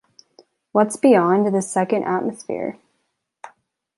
What’s beyond this second atmosphere?